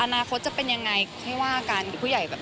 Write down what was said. อนาคตจะเป็นยังไงให้ว่ากันผู้ใหญ่แบบ